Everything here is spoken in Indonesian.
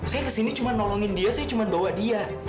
saya kesini cuma nolongin dia saya cuma bawa dia